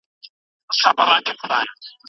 پرېکړه به د حقیقت په رڼا کې وشي.